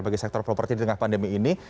bagi sektor properti di tengah pandemi ini